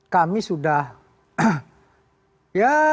kami sudah ya